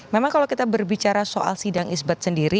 memang kalau kita berbicara soal sidang isbat sendiri